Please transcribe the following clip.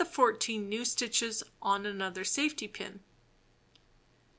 6) and the 14 new stitches on another safety pin.